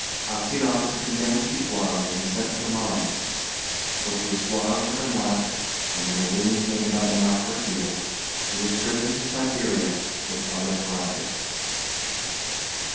Aksionov was condemned to be flogged and sent to the mines. So he was flogged with a knot, and when the wounds made by the knot were healed, he was driven to Siberia with other convicts.